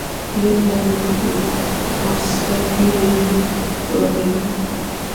يودم وټوخېد سره ږيره يې ورپېدله.